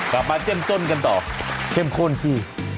กลับมาเจนจ้นกันต่อเข้มข้นสิ